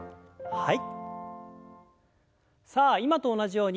はい。